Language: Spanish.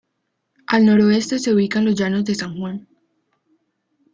Al noroeste se ubican los llanos de San Juan.